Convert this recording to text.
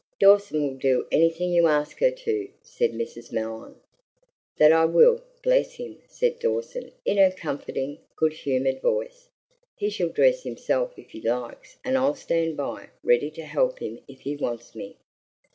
"Dawson will do anything you ask her to," said Mrs. Mellon. "That I will, bless him," said Dawson, in her comforting, good humored voice. "He shall dress himself if he likes, and I'll stand by, ready to help him if he wants me."